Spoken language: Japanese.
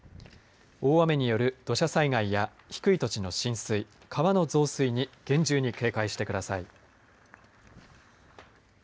大雨による土砂災害や低い土地の浸水、川の増水に厳重に警戒してください。